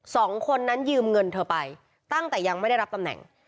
สองคนนั้นยืมเงินเธอไปตั้งแต่ยังไม่ได้รับตำแหน่ง